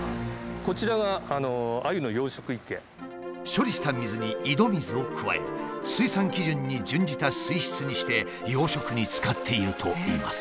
こちらが処理した水に井戸水を加え水産基準に準じた水質にして養殖に使っているといいます。